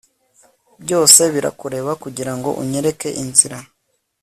byose birakureba kugirango unyereke inzira